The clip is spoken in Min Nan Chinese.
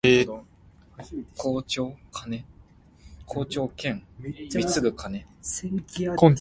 校長兼摃鐘